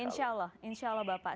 insya allah insya allah bapak